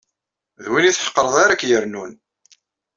D win i tḥeqreḍ ara k-yernun.